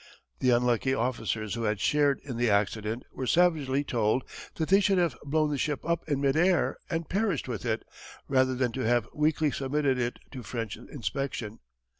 The unlucky officers who had shared in the accident were savagely told that they should have blown the ship up in mid air and perished with it rather than to have weakly submitted it to French inspection.